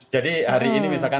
jadi hari ini misalkan seratus